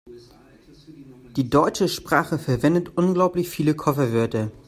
Die deutsche Sprache verwendet unglaublich viele Kofferwörter.